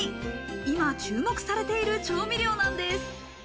今注目されている調味料なんです。